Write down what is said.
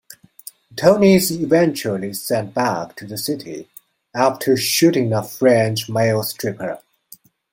Tony is eventually sent back to the city, after shooting a French male stripper.